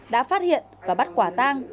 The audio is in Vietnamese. đã phát hiện và bắt quả tang